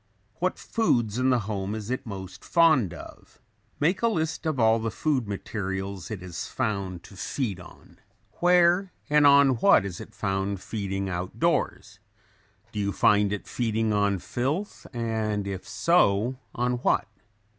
What foods in the home is it most fond of? Make a list of all the food materials it is found to feed on. Where and on what is it found feeding out doors? Do you find it feeding on filth and if so, on what?